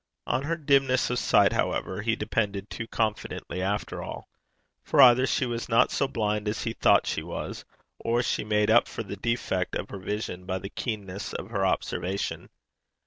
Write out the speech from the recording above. On her dimness of sight, however, he depended too confidently after all; for either she was not so blind as he thought she was, or she made up for the defect of her vision by the keenness of her observation.